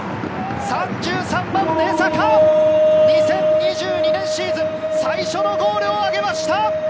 ３３番・江坂、２０２２シーズン最初のゴールを挙げました。